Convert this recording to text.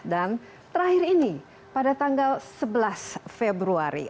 dan terakhir ini pada tanggal sebelas februari